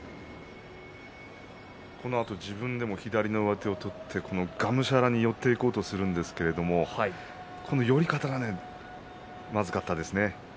このあと自分でも左の上手を取ってがむしゃらに寄っていこうとするんですがこの寄り方がまずかったですね。